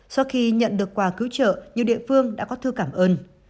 sau khi nhận được quà cứu trợ nhiều địa phương đã có thư cảm ơn